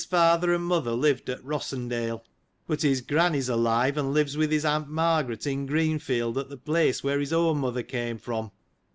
510 father and mother lived at Eossendale, but his granny's alive, and lives with his aunt Margaret, in Greenfield, at the place, where his own mother came from.